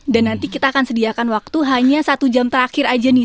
dan nanti kita akan sediakan waktu hanya satu jam terakhir aja nih